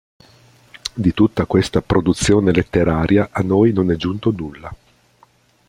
Di tutta questa produzione letteraria a noi non è giunto nulla.